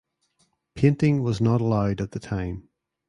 Painting was not allowed at the time.